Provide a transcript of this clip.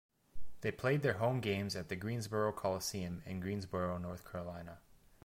They played their home games at the Greensboro Coliseum in Greensboro, North Carolina.